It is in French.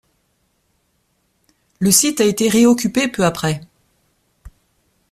Le site a été réoccupé peu après.